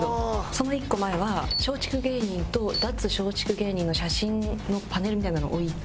その１個前は松竹芸人と脱松竹芸人の写真のパネルみたいなのを置いて。